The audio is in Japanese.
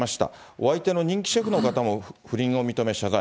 お相手の人気シェフの方も不倫を認め謝罪。